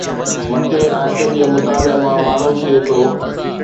مٿين آيتن جي مطالعي مان معلوم ٿئي ٿو